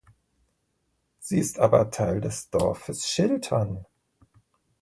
Sie ist aber Teil des Dorfes Schiltern.